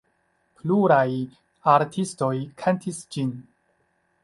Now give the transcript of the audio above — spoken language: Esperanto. Pluraj artistoj kantis ĝin.